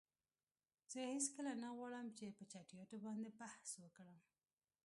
زه هیڅکله نه غواړم چې په چټییاتو باندی بحث وکړم.